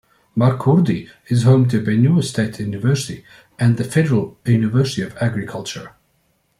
Makurdi is home to Benue State University and the Federal University of Agriculture.